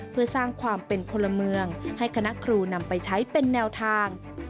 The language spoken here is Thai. เพื่อสร้างความเป็นพลเมืองให้คณะครูนำไปใช้เป็นแนวทาง